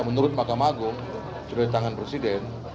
menurut mahkamah agung sudah di tangan presiden